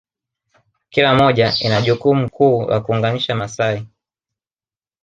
kila moja ina jukumu kuu la kuunganisha Maasai